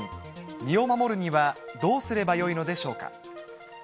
身を守るにはどうすればよいのでしょうか。